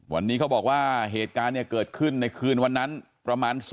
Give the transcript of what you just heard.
วันนี้เขาบอกว่าเหตุการณ์เนี่ยเกิดขึ้นในคืนวันนั้นประมาณ